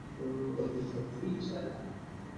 আপনি তো আধা শিফটে এসেছেন।